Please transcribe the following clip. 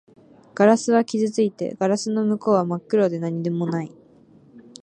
ガラスは傷ついていて、ガラスの向こうは真っ暗で何もない